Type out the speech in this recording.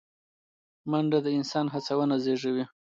منډه د انسان هڅونه زیږوي